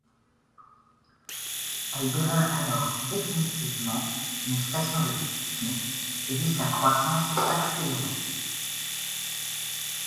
Elle devint alors définitivement une station de ski et vit sa croissance s'accélérer.